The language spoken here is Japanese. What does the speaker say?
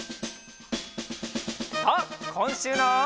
さあこんしゅうの。